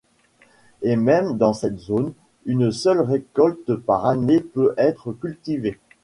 Et même dans cette zone, une seule récolte par année peut être cultivée.